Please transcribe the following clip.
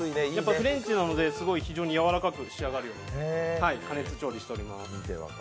フレンチなので非常に柔らかく仕上がるよう加熱調理しています。